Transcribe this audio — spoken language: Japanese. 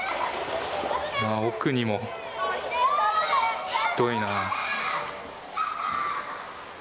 奥にもひどいな。